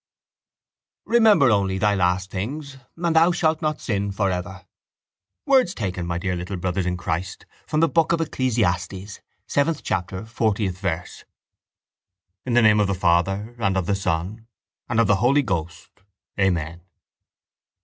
—Remember only thy last things and thou shalt not sin for ever—words taken, my dear little brothers in Christ, from the book of Ecclesiastes, seventh chapter, fortieth verse. In the name of the Father and of the Son and of the Holy Ghost. Amen.